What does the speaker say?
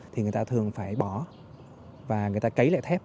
thì người ta thường phải bỏ và người ta cấy lại thép